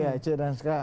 iya c dan k